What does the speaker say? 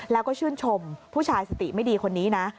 แล้วก็ชื่นชมผู้ชายสติไม่ดีคนนี้นะ